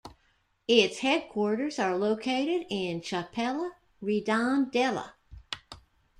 Its headquarters are located in Chapela, Redondela.